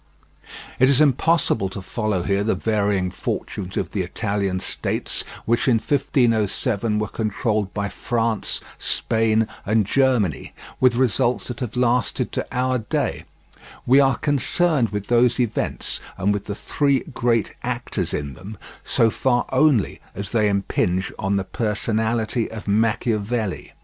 It is impossible to follow here the varying fortunes of the Italian states, which in 1507 were controlled by France, Spain, and Germany, with results that have lasted to our day; we are concerned with those events, and with the three great actors in them, so far only as they impinge on the personality of Machiavelli.